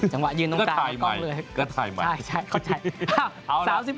จังหวะยืนตรงกลางก็ตายใหม่